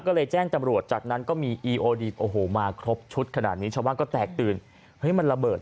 หรืออาจจะเป็นระเบิดอะไรแบบนี้